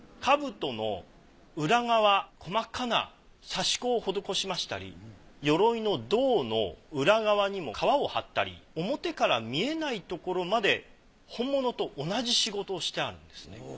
兜の裏側真っ赤な刺し子を施しましたり鎧の胴の裏側にも革を貼ったり表から見えないところまで本物と同じ仕事をしてあるんですね。